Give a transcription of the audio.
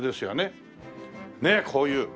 ねっこういう。